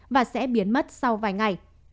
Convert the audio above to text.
và sẽ biến mất sau vài ngày